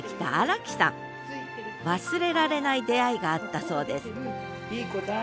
忘れられない出会いがあったそうです